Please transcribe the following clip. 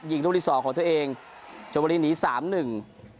ยิงรุ่นที่สองของตัวเองชนบุรีหนีสามหนึ่ง